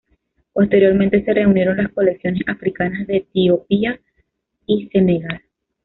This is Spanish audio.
Posteriormente se reunieron las colecciones africanas de Etiopía y Senegal.